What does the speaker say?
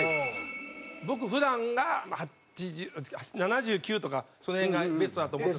僕普段が８０７９とかその辺がベストだと思ってて。